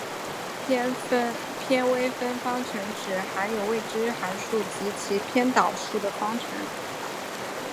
偏微分方程指含有未知函数及其偏导数的方程。